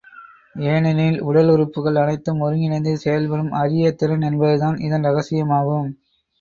ஏனெனில், உடல் உறுப்புக்கள் அனைத்தும் ஒருங்கிணைந்து செயல்படும் அரிய திறன் என்பதுதான் இதன் இரகசியமாகும்.